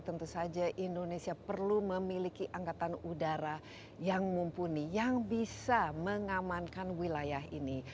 tentu saja indonesia perlu memiliki angkatan udara yang mumpuni yang bisa mengamankan wilayah ini